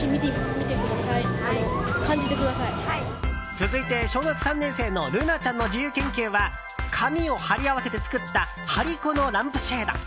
続いては小学３年生の月那ちゃんの自由研究は紙を貼り合わせて作った張り子のランプシェード。